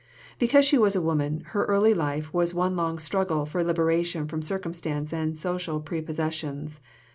Because she was a woman, her early life was one long struggle for liberation from circumstance and social prepossessions.